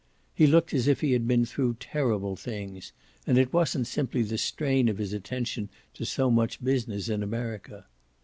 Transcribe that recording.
He looked as if he had been through terrible things, and it wasn't simply the strain of his attention to so much business in America.